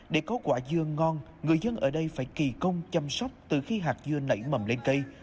để có quả dưa ngon người dân ở đây phải kỳ công chăm sóc từ khi hạt dưa nảy mầm lên cây